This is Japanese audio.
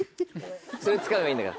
それつかめばいいんだから。